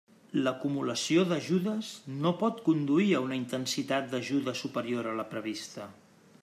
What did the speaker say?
L'acumulació d'ajudes no pot conduir a una intensitat d'ajuda superior a la prevista.